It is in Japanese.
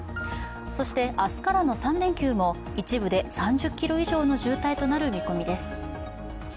そして、明日からの３連休も、一部で３０ｋｍ以上の渋滞となる見込みです。